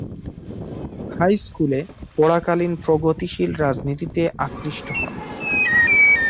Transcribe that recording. হাইস্কুলে পড়াকালীন প্রগতিশীল রাজনীতিতে আকৃষ্ট হন।